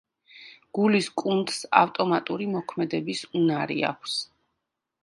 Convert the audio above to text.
გულის კუნთს ავტომატური მოქმედების უნარი აქვს.